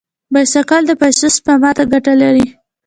بایسکل د پیسو سپما ته ګټه لري.